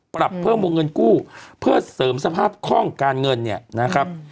ปรับเพิ่มวงเงินกู้เพื่อเสริมสภาพคล่องการเงินเนี่ยนะครับ